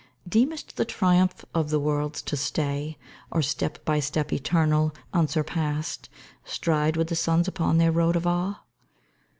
. Deemest the triumph of the worlds to stay, Or, step by step eternal, unsurpassed. Stride with the suns upon their road of awe?